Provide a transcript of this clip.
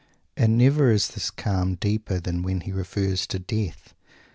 And never is this calm deeper than when he refers to Death.